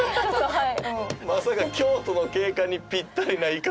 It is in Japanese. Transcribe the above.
はい。